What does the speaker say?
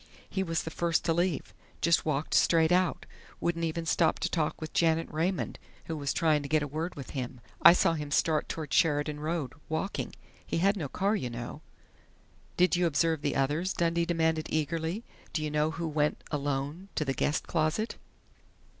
He was the first to leave just walked straight out; wouldn't even stop to talk with Janet Raymond, who was trying to get a word with him. I saw him start toward Sheridan Road walking. He had no car, you know." "Did you observe the others?" Dundee demanded eagerly. "Do you know who went alone to the guest closet?"